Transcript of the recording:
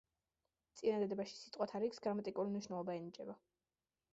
წინადადებაში სიტყვათა რიგს გრამატიკული მნიშვნელობა ენიჭება.